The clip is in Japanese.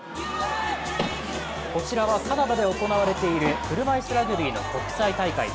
こちらは、カナダで行われている車いすラグビーの国際大会。